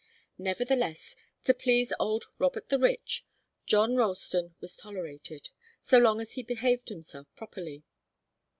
Nevertheless, to please old Robert the Rich, John Ralston was tolerated, so long as he behaved himself properly.